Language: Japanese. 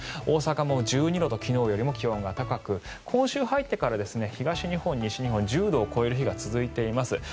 大阪も１２度と昨日よりも気温が高く今週に入ってから東日本、西日本１０度を超える日が続いています。